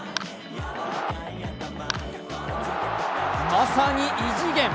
まさに異次元。